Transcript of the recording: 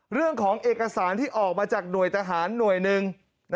เรื่องของเอกสารที่ออกมาจากหน่วยทหารหน่วยหนึ่ง